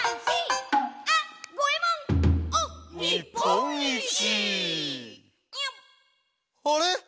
「あれ！